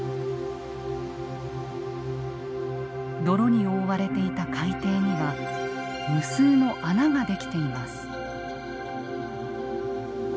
泥に覆われていた海底には無数の穴が出来ています。